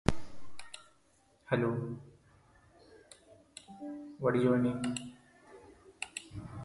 "Devil's Due" is written by Mike Carey, with pencils by Salvador Larroca.